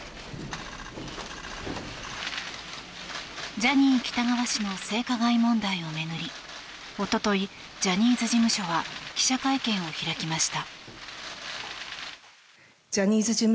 ジャニー喜多川氏の性加害問題を巡りおととい、ジャニーズ事務所は記者会見を開きました。